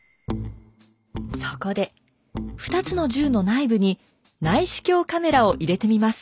そこで２つの銃の内部に内視鏡カメラを入れてみます。